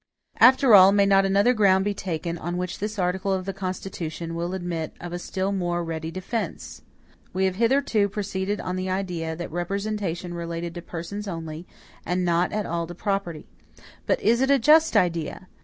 "After all, may not another ground be taken on which this article of the Constitution will admit of a still more ready defense? We have hitherto proceeded on the idea that representation related to persons only, and not at all to property. But is it a just idea?